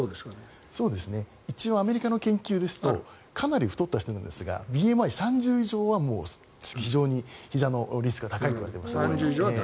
一応アメリカの研究ですとかなり太った人ですがＢＭＩ３０以上はもう非常にひざのリスクが高いといわれています。